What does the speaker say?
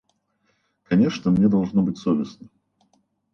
Конечно, мне должно быть совестно.